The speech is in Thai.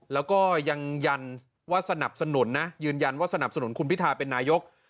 แล้วก็ยังยันว่าสนับสนุนนะยืนยันว่าสนับสนุนคุณพิทาเป็นนายก